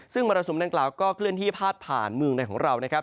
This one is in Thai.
ซึ่งมรสุมดังกล่าวก็เคลื่อนที่พาดผ่านเมืองในของเรานะครับ